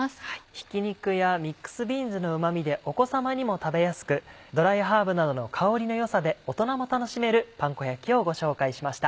ひき肉やミックスビーンズのうま味でお子さまにも食べやすくドライハーブなどの香りの良さで大人も楽しめるパン粉焼きをご紹介しました。